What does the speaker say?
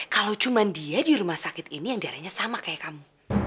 kalau cuma dia di rumah sakit ini yang darahnya sama kayak kamu